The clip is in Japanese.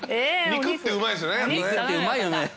肉ってうまいよね。